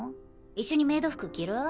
一緒にメイド服着る？